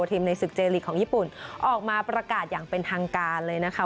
ในศึกเจลีกของญี่ปุ่นออกมาประกาศอย่างเป็นทางการเลยนะคะ